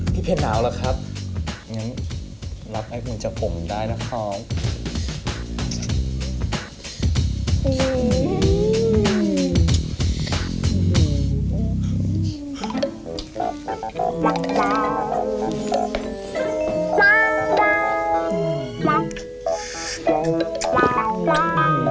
พี่เพ็ญหนาวหรอกครับงั้นรับให้คุณจะผมได้นะครับ